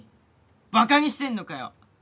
馬鹿にしてんのかよ！